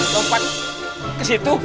lompat ke situ